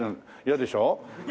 嫌でしょ？